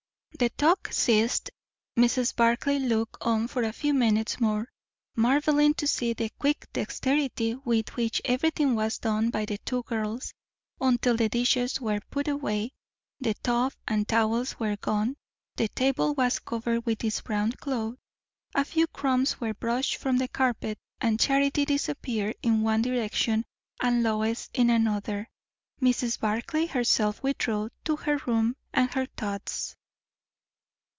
The talk ceased. Mrs. Barclay looked on for a few minutes more, marvelling to see the quick dexterity with which everything was done by the two girls; until the dishes were put away, the tcib and towels were gone, the table was covered with its brown cloth, a few crumbs were brushed from the carpet; and Charity disappeared in one direction and Lois in another. Mrs. Barclay herself withdrew to her room and her thoughts.